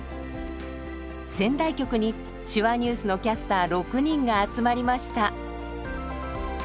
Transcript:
仙台局に「手話ニュース」のキャスター６人が集まりました。